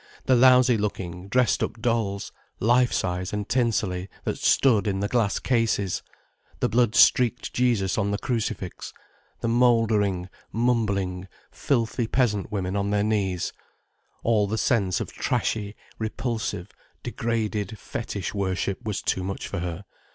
The lousy looking, dressed up dolls, life size and tinselly, that stood in the glass cases; the blood streaked Jesus on the crucifix; the mouldering, mumbling, filthy peasant women on their knees; all the sense of trashy, repulsive, degraded fetish worship was too much for her.